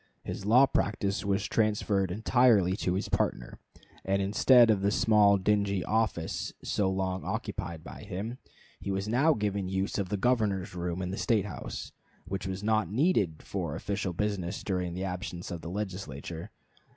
His law practice was transferred entirely to his partner, and instead of the small dingy office so long occupied by him, he was now given the use of the Governor's room in the State house, which was not needed for official business during the absence of the Legislature.